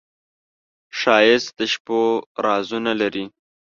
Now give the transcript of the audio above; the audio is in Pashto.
ښایست د شپو رازونه لري